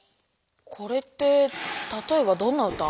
これってたとえばどんな歌？